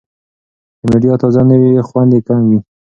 که مډیګا تازه نه وي، خوند یې کم وي.